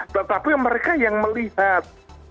tetapi mereka yang melihat